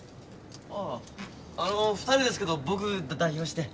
ああの２人ですけど僕が代表して。